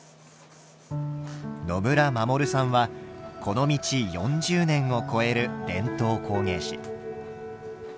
野村守さんはこの道４０年を超える伝統工芸士。